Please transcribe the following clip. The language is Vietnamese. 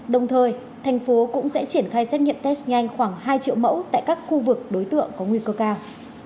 đồng thời thành phố cũng sẽ triển khai xét nghiệm test nhanh khoảng hai triệu mẫu tại các khu vực đối tượng có nguy cơ cao